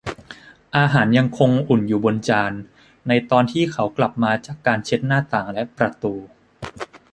อาหารยังคงอุ่นอยู่บนจานในตอนที่เขากลับมาจากการเช็คหน้าต่างและประตู